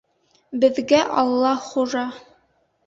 Беҙгә Алла хужа.